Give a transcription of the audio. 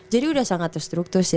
jadi udah sangat terstruktur sih